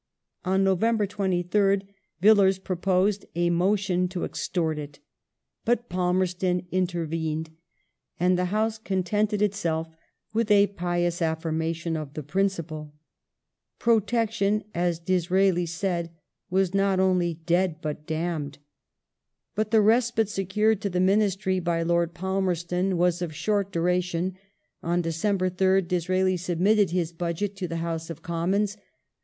On November 23rd Villiers pro posed a motion to extort it, but Palmerston intervened, and the House contented itself with a pious affirmation of the principle. Protection, as Disraeli said, was not only dead but damned. But the respite secured to the Ministry by Lord Palmerston was of 212 GREAT BRITAIN AND CONTINENTAL POLITICS [1846 short duration. On December 3rd Disraeli submitted his Budget to the House of Commons.